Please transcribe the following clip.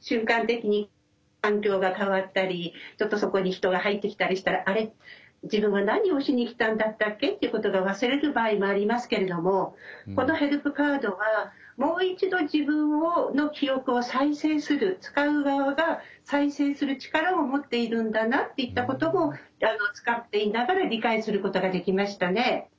瞬間的に環境が変わったりちょっとそこに人が入ってきたりしたら「あれ？自分は何をしに来たんだったっけ」っていうことが忘れる場合もありますけれどもこのヘルプカードはもう一度自分の記憶を再生する使う側が再生する力を持っているんだなっていったことも使っていながら理解することができましたね。